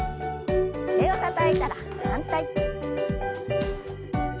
手をたたいたら反対。